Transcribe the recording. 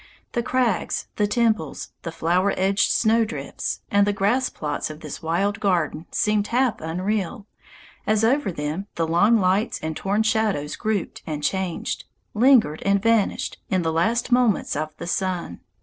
The crags, the temples, the flower edged snowdrifts, and the grass plots of this wild garden seemed half unreal, as over them the long lights and torn shadows grouped and changed, lingered and vanished, in the last moments of the sun.